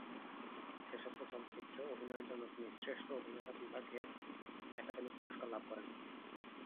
শেষোক্ত চলচ্চিত্রে অভিনয়ের জন্য তিনি শ্রেষ্ঠ অভিনেতা বিভাগে একাডেমি পুরস্কার লাভ করেন।